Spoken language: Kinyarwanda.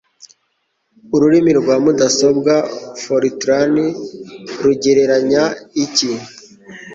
Ururimi rwa mudasobwa For-Tran rugereranya iki?